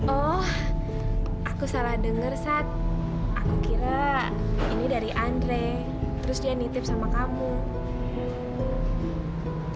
oh aku salah denger saat aku kira ini dari andre terus dia nitip sama kamu kamu kecewa ya